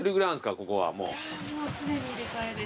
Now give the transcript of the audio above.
ここはもう。